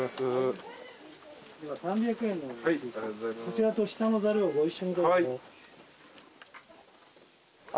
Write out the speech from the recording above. こちらと下のざるをご一緒にどうぞ。